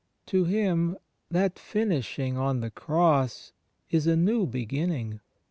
To him, that "finishing" on the Cross is a new beginning.